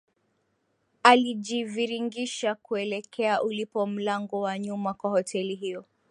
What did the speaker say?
Alijiviringisha kuelekea ulipo mlango wa nyuma wa hoteli hiyo